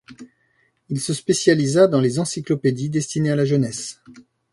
Il se spécialisa dans les encyclopédies destinées à la jeunesse.